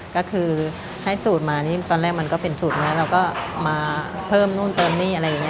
ก็คือให้สูตรมานี่ตอนแรกมันก็เป็นสูตรนะเราก็มาเพิ่มนู่นเติมนี่อะไรอย่างนี้